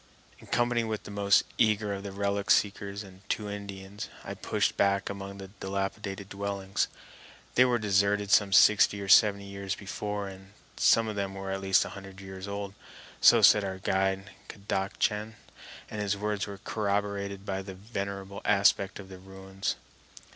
In company with the most eager of the relic seekers and two Indians, I pushed back among the dilapidated dwellings. They were deserted some sixty or seventy years before, and some of them were at least a hundred years old. So said our guide, Kadachan, and his word was corroborated by the venerable aspect of the ruins.